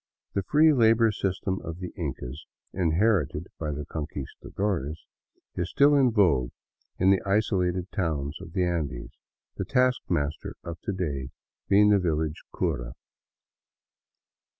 The free labor system of the Incas, inherited by the Conquistadores, is still in vogue in the isolated towns of the Andes, the taskmaster of to day being the village cura.